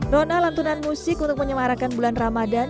rona lantunan musik untuk menyemarakan bulan ramadan